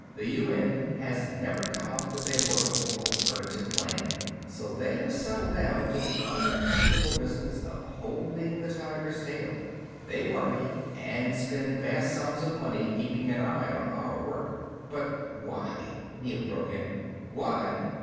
The UN has never come up with a workable alternative plan, so they have settled down to the uncomfortable business of holding the tiger's tail. They worry and spend vast sums of money keeping an eye on our work." "But why?" Neel broke in. "Why?"